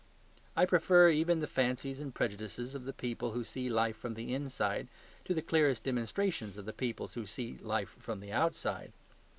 I prefer even the fancies and prejudices of the people who see life from the inside to the clearest demonstrations of the people who see life from the outside.